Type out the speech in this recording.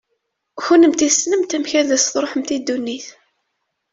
Kennemti tessnemt amek ad as-tṛuḥemt i ddunit.